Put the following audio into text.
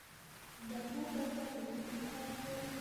د احمد بچیان یتیمان پاتې شول.